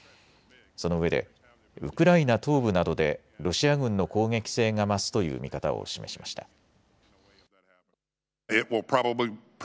そのうえでウクライナ東部などでロシア軍の攻撃性が増すという見方を示しました。